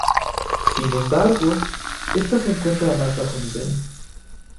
Sin embargo, esta se encuentra a más bajo nivel.